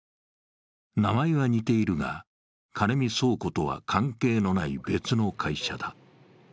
名前は似ているがカネミ倉庫とは関係のない別の会社だ。